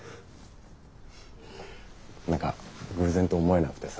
何か偶然と思えなくてさ。